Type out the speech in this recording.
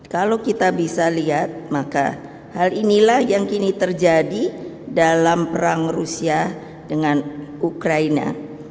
kalau kita bisa lihat maka hal inilah yang kini terjadi dalam perang rusia dengan ukraina